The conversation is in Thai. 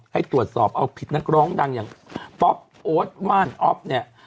ให้ตรวจสอบเอาผิดนักร้องดังอย่างป๊อปโอ๊ตว่านอ๊อฟเนี่ย